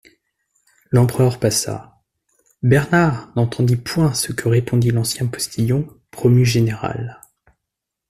L'empereur passa … Bernard n'entendit point ce que répondit l'ancien postillon promu général.